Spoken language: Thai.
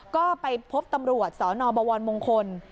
ก็ไปพบตำรวจสนบวรมงคล